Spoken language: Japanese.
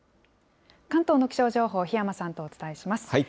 関東の気象情報、檜山さんとお伝えします。